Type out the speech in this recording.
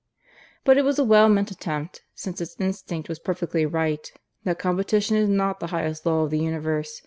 "But it was a well meant attempt; since its instinct was perfectly right, that competition is not the highest law of the Universe.